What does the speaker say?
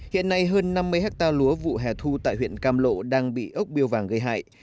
hiện nay hơn năm mươi hectare lúa vụ hè thu tại huyện cam lộ đang bị ốc biêu vàng gây hại